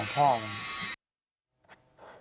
ของพ่อ